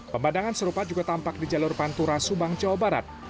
pemandangan serupa juga tampak di jalur pantura subang jawa barat